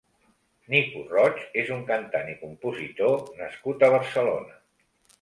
Nico Roig és un cantant i compositor nascut a Barcelona.